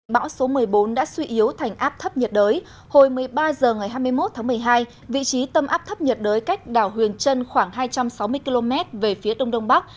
bão số một mươi bốn đã suy yếu thành áp thấp nhiệt đới hồi một mươi ba h ngày hai mươi một tháng một mươi hai vị trí tâm áp thấp nhiệt đới cách đảo huyền trân khoảng hai trăm sáu mươi km về phía đông đông bắc